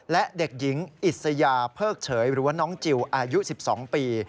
และเด็กหญิงอิสยาเพิกเฉยหรือว่าน้องจิลอายุ๑๒ปี